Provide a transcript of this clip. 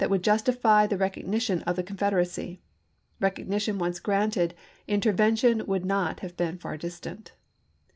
would justify the recognition of the Confederacy. Recognition once granted, intervention would not have been far distant.